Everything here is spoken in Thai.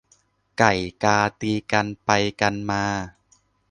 ไก่กาตีกันไปกันมา